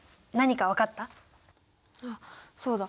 あっそうだ！